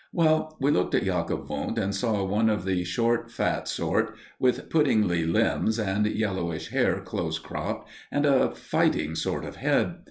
Well, we looked at Jacob Wundt, and saw one of the short, fat sort, with puddingy limbs and yellowish hair close cropped, and a fighting sort of head.